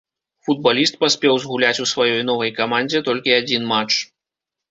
Футбаліст паспеў згуляць у сваёй новай камандзе толькі адзін матч.